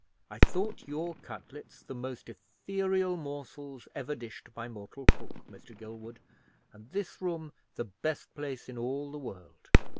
I thought your cutlets the most ethereal morsels ever dished by mortal cook, Mr. Gilwood, and this room the best place in all the world.